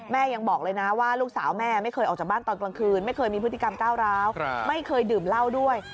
ยังบอกเลยนะว่าลูกสาวแม่ไม่เคยออกจากบ้านตอนกลางคืนไม่เคยมีพฤติกรรมก้าวร้าวไม่เคยดื่มเหล้าด้วย